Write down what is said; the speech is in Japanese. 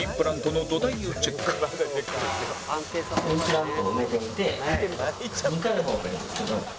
インプラントを埋めていて２回法というんですけど。